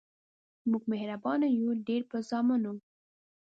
مونږ مهربان یو ډیر په زامنو